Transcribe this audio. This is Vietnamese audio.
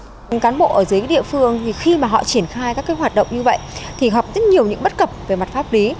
các cán bộ ở dưới địa phương khi mà họ triển khai các hoạt động như vậy thì họ có rất nhiều những bất cập về mặt pháp lý